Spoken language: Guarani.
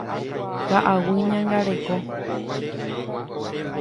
Ka'aguy ñangareko.